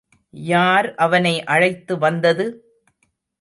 யார் அவனை அழைத்து வந்தது?